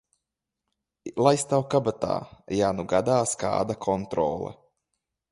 Lai stāv kabatā, ja nu gadās kāda kontrole.